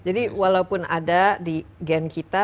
jadi walaupun ada di gen kita